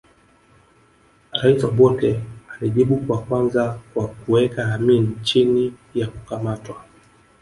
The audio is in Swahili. Rais Obote alijibu kwa kwanza kwa kuweka Amin chini ya kukamatwa